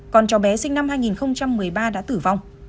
còn cháu bé sinh năm hai nghìn một mươi ba đã tử vong